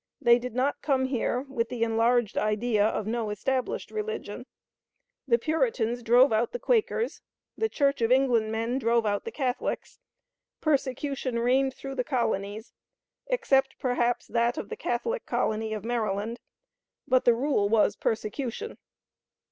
They did not come here with the enlarged idea of no established religion. The Puritans drove out the Quakers; the Church of England men drove out the Catholics. Persecution reigned through the colonies, except, perhaps, that of the Catholic colony of Maryland; but the rule was persecution.